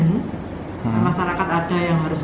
jadi masyarakat ada yang harus